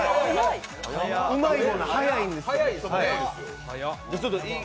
うまい棒は早いんですよ。